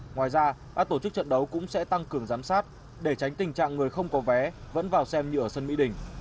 ngoài ra các tổ chức trận đấu cũng sẽ tăng cường giám sát để tránh tình trạng người không có vé vẫn vào xem như ở sân mỹ đình